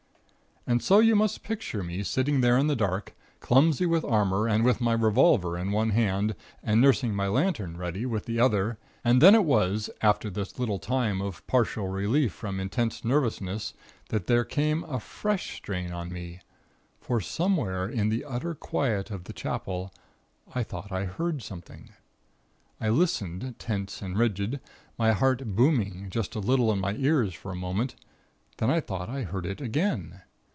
"And so you must picture me sitting there in the dark; clumsy with armor, and with my revolver in one hand, and nursing my lantern, ready, with the other. And then it was, after this little time of partial relief from intense nervousness, that there came a fresh strain on me; for somewhere in the utter quiet of the Chapel, I thought I heard something. I listened, tense and rigid, my heart booming just a little in my ears for a moment; then I thought I heard it again.